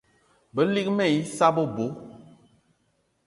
Balig mal ai issa bebo